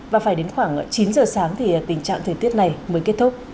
và phải đến khoảng chín giờ sáng thì tình trạng thời tiết này mới kết thúc